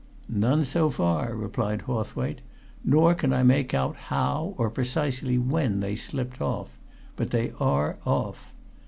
"None, so far," replied Hawthwaite. "Nor can I make out how or precisely when they slipped off. But they are off.